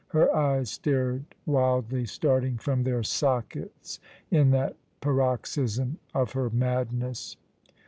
Her eyes stared wildly, starting from their sockets in that paroxysm of her madness.